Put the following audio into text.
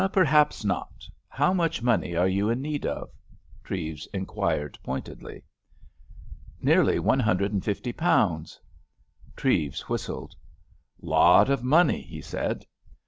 "Perhaps not. How much money are you in need of?" Treves inquired pointedly. "Nearly one hundred and fifty pounds." Treves whistled. "Lot of money," he said.